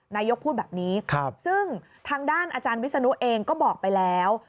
นายกพูดแบบนี้ซึ่งทางด้านอาจารย์วิศนุเองก็บอกไปแล้ว